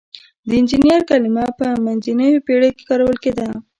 د انجینر کلمه په منځنیو پیړیو کې کارول کیده.